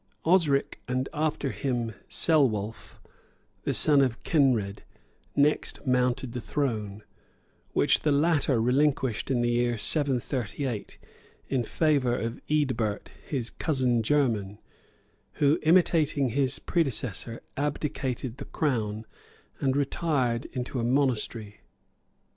Osric, and after him Celwulph, the son of Kenred, next mounted the throne, which the latter relinquished in the year 738, in favor of Eadbert, his cousin german, who, imitating his predecessor, abdicated the crown, and retired into a monastery.